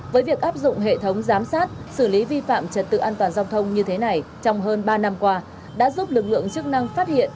với việc áp dụng hệ thống giám sát xử lý vi phạm trật tự an toàn giao thông như thế này trong hơn ba năm qua đã giúp lực lượng chức năng phát hiện